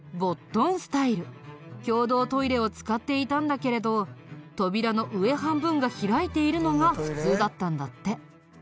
共同トイレを使っていたんだけれど扉の上半分が開いているのが普通だったんだって。